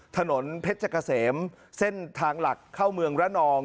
ถนนเพชรเกษมเส้นทางหลักเข้าเมืองระนอง